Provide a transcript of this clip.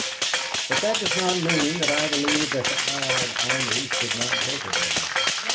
"'But that does not mean that I believe that the Allied armies should not go to Berlin.